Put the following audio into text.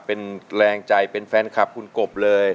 เป็นแรงใจเป็นแฟนคลับคุณกบเลย